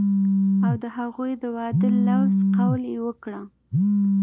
او د هغوي د وادۀ لوظ قول يې وکړۀ